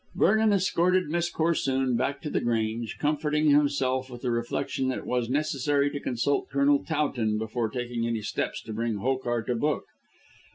Vernon escorted Miss Corsoon back to The Grange, comforting himself with the reflection that it was necessary to consult Colonel Towton before taking any steps to bring Hokar to book.